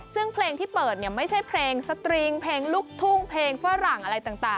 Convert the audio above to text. ซึ่งเพลงที่เปิดเนี่ยไม่ใช่เพลงสตริงเพลงลูกทุ่งเพลงฝรั่งอะไรต่าง